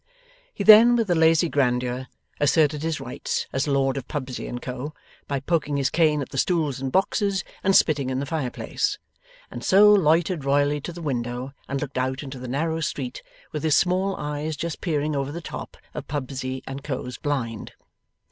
He then with a lazy grandeur asserted his rights as lord of Pubsey and Co. by poking his cane at the stools and boxes, and spitting in the fireplace, and so loitered royally to the window and looked out into the narrow street, with his small eyes just peering over the top of Pubsey and Co.'s blind.